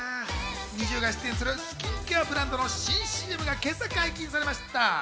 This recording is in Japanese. ＮｉｚｉＵが出演するスキンケアブランドの新ＣＭが今朝解禁されました。